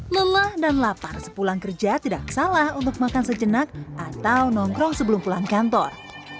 lelah dan lapar sepulang kerja tidak salah untuk makan sejenak atau nongkrong sebelum pulang kantor